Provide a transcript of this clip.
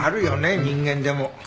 人間でも。